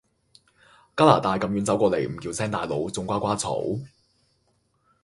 加拿大咁遠走到過黎唔叫聲大佬仲瓜瓜嘈？